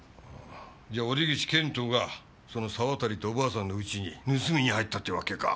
じゃあ折口謙人がその沢渡っておばあさんの家に盗みに入ったってわけか？